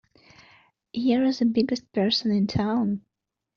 You're the biggest person in town!